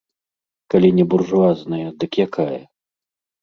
Калі не буржуазная, дык якая?